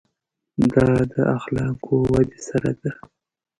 دا د اخلاقو ودې سره ده.